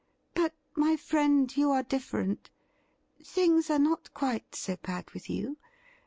But, my friend, you are different ; things are not quite so bad with you.